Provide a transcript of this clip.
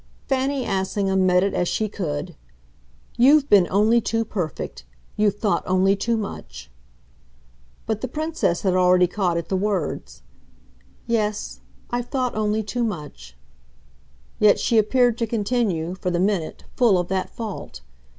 Fanny Assingham met it as she could. "You've been only too perfect. You've thought only too much." But the Princess had already caught at the words. "Yes I've thought only too much!" Yet she appeared to continue, for the minute, full of that fault.